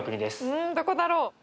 うんどこだろう？